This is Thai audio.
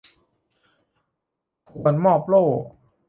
ควรมอบโล่